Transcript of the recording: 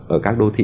ở các đô thị